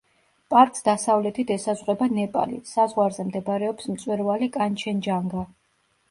პარკს დასავლეთით ესაზღვრება ნეპალი, საზღვარზე მდებარეობს მწვერვალი კანჩენჯანგა.